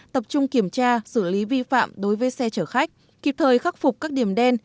tập trung kiểm tra xử lý vi phạm đối với xe chở khách kịp thời khắc phục các điểm đen